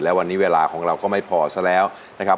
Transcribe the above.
เพราะน่ะนี้เวลาก็ไม่พอซะแล้วนะครับ